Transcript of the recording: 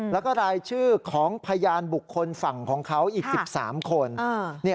แล้วก็รายชื่อของพยานบุคคลฝั่งของเขาอีก๑๓คน